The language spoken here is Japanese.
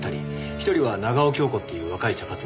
１人は長尾恭子っていう若い茶髪の女の子。